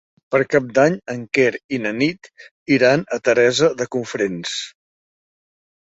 Per Cap d'Any en Quer i na Nit iran a Teresa de Cofrents.